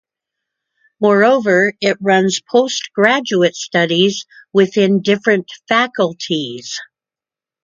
Moreover, it runs postgraduate studies within different faculties.